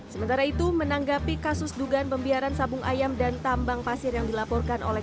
sementara itu menanggapi kasus dugaan pembiaran sabung ayam dan tambang pasir yang dilaporkan oleh